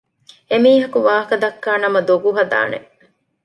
އެމީހަކު ވާހަކަދައްކާ ނަމަ ދޮގު ހަދާނެ